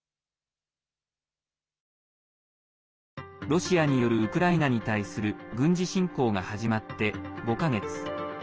ロシアによるウクライナに対する軍事侵攻が始まって５か月。